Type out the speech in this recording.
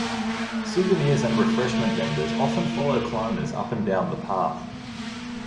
Souvenirs and refreshment vendors often follow climbers up and down the path.